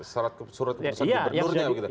surat keputusan gubernurnya